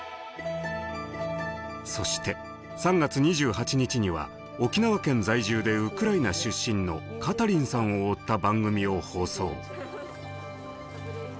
そして３月２８日には沖縄県在住でウクライナ出身のカタリンさんを追った番組を放送。